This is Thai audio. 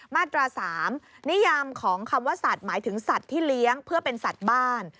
มาตรา๓นิยามของคำว่าสัตว์หมายถึงสัตว์ที่เลี้ยงเพื่อเป็นสัตว์บ้าน